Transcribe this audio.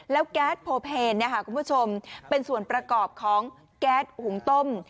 แล้วแก๊สโพเพลคุณผู้ชมเป็นส่วนประกอบของแก๊สหุงต้ม